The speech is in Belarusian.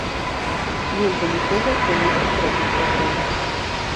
Нельга нікога прымусіць зрабіць дабро.